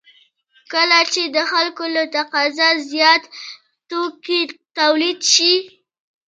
کله چې د خلکو له تقاضا زیات توکي تولید شي